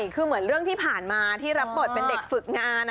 คือเหมือนเรื่องที่ผ่านมาที่รับบทเป็นเด็กฝึกงาน